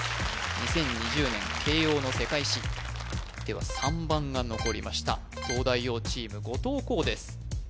２０２０年慶應の世界史では３番が残りました東大王チーム後藤弘です